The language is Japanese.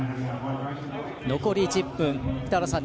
残り１０分、北原さん